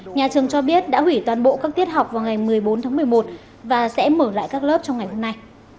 nhà trường cho biết đã hủy toàn bộ các tiết học vào ngày một mươi bốn tháng một mươi một và sẽ mở lại các lớp trong ngày hôm nay